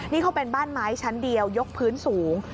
นี่เขาเป็นบ้านไม้ชั้นเดียวยกพื้นสูง